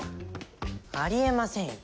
ありえませんよ。